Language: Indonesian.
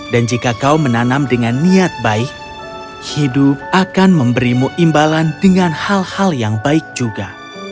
dan jika kau menanam dengan niat baik hidup akan memberimu imbalan dengan hal hal yang baik juga